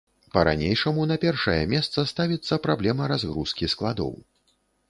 Па-ранейшаму на першае месца ставіцца праблема разгрузкі складоў.